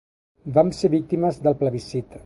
Vam ser víctimes del plebiscit.